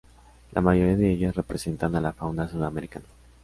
La mayoría de ellas representan a la fauna sudamericana.